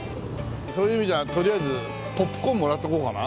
そういう意味じゃとりあえずポップコーンもらっとこうかな。